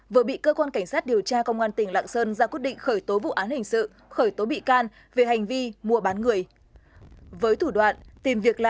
vừa bị cơ quan cảnh sát điều tra công an tỉnh lạng sơn ra quyết định khởi tố vụ án hình sự khởi tố bị can về hành vi mua bán người